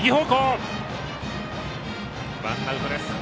ワンアウトです。